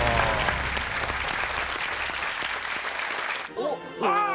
おっあっ！